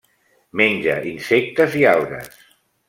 Menja insectes i algues.